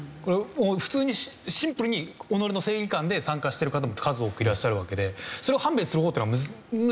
普通にシンプルに己の正義感で参加してる方も数多くいらっしゃるわけでそれを判別する方法っていうのは実際ないとは思うんですよね。